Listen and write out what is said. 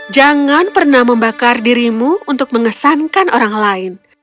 jangan pernah membakar dirimu untuk mengesankan orang lain